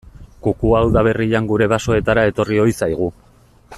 Kukua udaberrian gure basoetara etorri ohi zaigu.